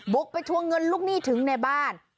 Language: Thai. กไปทวงเงินลูกหนี้ถึงในบ้าน